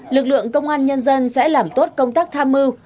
lực lượng công an nhân dân sẽ làm tốt công tác tham mưu